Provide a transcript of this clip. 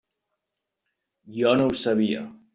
Jo no ho sabia.